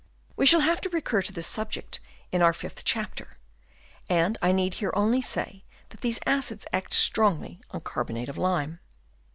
We shall have to recur to this subject in our fifth chapter, and I need here only say that these acids act strongly on carbonate of lime.